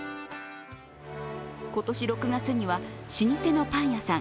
今年６月には老舗のパン屋さん